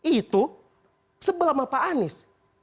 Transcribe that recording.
itu sebelah sama pak anies